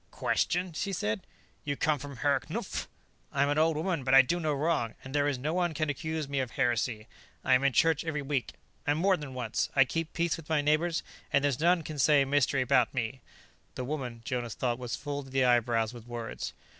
"Question?" she said. "You come from Herr Knupf? I'm an old woman but I do no wrong, and there is no one can accuse me of heresy. I am in church every week, and more than once; I keep peace with my neighbors and there's none can say a mystery about me " The woman, Jonas thought, was full to the eyebrows with words.